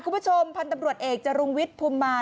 คุณผู้ชมพันธบรวจเอกจรุงวิทธิ์ภูมิมา